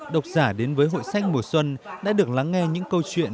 độc giả đến với hội sách mùa xuân đã được lắng nghe những câu chuyện